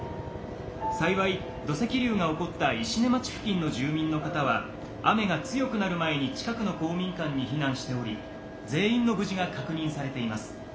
幸い土石流が起こった石音町付近の住民の方は雨が強くなる前に近くの公民館に避難しており全員の無事が確認されています」。